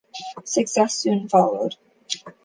Success soon followed.